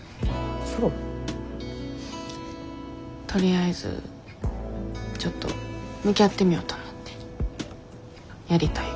とりあえずちょっと向き合ってみようと思ってやりたいこととか。